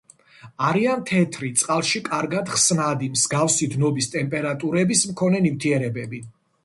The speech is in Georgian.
არიან თეთრი, წყალში კარგად ხსნადი, მსგავსი დნობის ტემპერატურების მქონე ნივთიერებები.